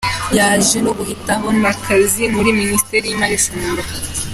Yaje no guhita abona kazi muri Minisiteri y’Imari i Bujumbura.